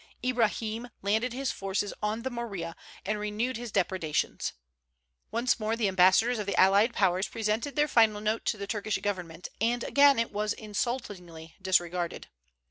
Ibrahim landed his forces on the Morea and renewed his depredations. Once more the ambassadors of the allied Powers presented their final note to the Turkish government, and again it was insultingly disregarded.